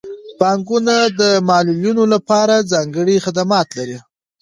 بانکونه د معلولینو لپاره ځانګړي خدمات لري.